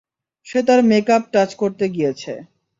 সে তার makeup touch করতে গিয়েছে।